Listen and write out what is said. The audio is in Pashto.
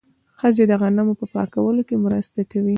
ښځې د غنمو په پاکولو کې مرسته کوي.